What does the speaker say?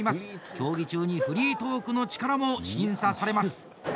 競技中にフリートークの力も審査されます。